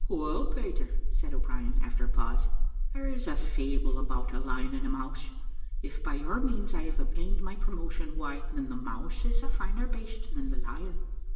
"Well, Peter," said O'Brien, after a pause, "there is a fable about a lion and a mouse. If, by your means, I have obtained my promotion, why, then the mouse is a finer baste than the lion."